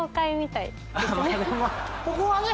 ここはね